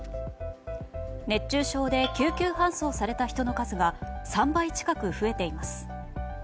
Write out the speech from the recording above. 熱中症で救急搬送された人の数が３倍近く増えています。